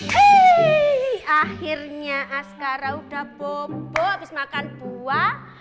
hei akhirnya askara udah bobo habis makan buah